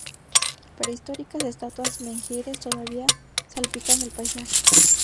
Prehistóricas estatuas menhires todavía salpican el paisaje.